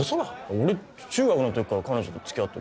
俺中学の時から彼女とつきあってるだろ。